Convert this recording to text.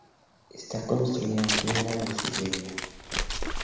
Está construida en piedra de sillería.